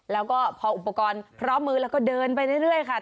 แล้วก็พออุปกรณ์พร้อมมือแล้วก็เดินไปเรื่อยค่ะ